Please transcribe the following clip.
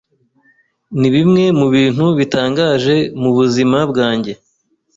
Nibimwe mubintu bitangaje mubuzima bwanjye.